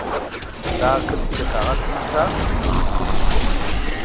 دا کرښې د کاغذ پر نقشه رسم شوي دي.